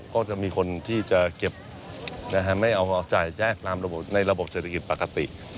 ก็จะมีคนที่จะเก็บไม่เอาจ่ายแจกตามระบบในระบบเศรษฐกิจปกติ